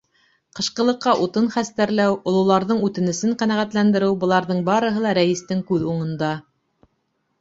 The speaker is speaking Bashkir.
Ҡышҡылыҡҡа утын хәстәрләү, ололарҙың үтенесен ҡәнәғәтләндереү — быларҙың барыһы ла рәйестең күҙ уңында.